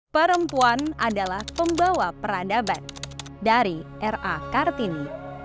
perempuan adalah pembawa peradaban dari ra kartini